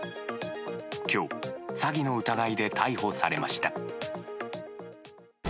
今日詐欺の疑いで逮捕されました。